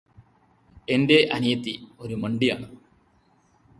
എന്റെ അനിയത്തി ഒരു മണ്ടിയാണ്